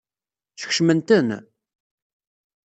Skecmen-ten?